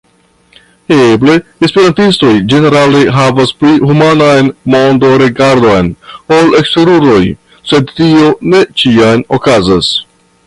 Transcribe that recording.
Eble esperantistoj ĝenerale havas pli humanan mondorigardon ol eksteruloj, sed tio ne ĉiam okazas.